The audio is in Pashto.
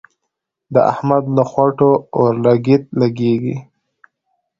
د احمد له خوټو اورلګيت لګېږي.